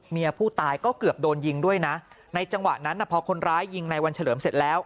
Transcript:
เมียผู้ตายก็เกือบโดนยิงด้วยนะในจังหวะนั้นพอคนร้ายยิงในวันเฉลิมเสร็จแล้ว